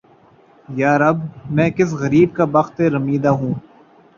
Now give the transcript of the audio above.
یارب! میں کس غریب کا بختِ رمیدہ ہوں!